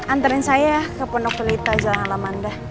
anterin saya ke penopelita jalan alam anda